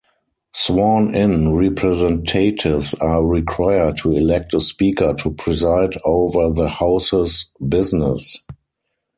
Sworn-in representatives are required to elect a Speaker to preside over the House's business.